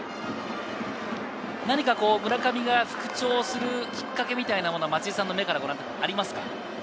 何か村上が復調するきっかけみたいなものは、松井さんの目からありますか？